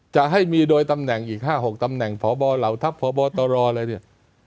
จะให้มีโดยตำแหน่งอีก๕๖ตำแหน่งพบเหล่าทัพพบตรอะไรเนี่ย